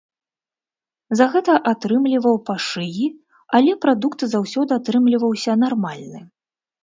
За гэта атрымліваў па шыі, але прадукт заўсёды атрымліваўся нармальны.